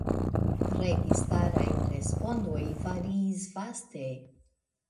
Registaraj respondoj variis vaste.